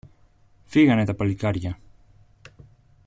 φύγανε τα παλικάρια